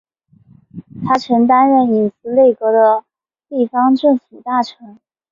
他曾经担任影子内阁的地方政府大臣。